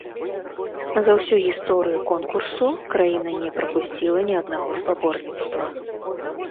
За ўсю гісторыю конкурсу краіна не прапусціла ні аднаго спаборніцтва.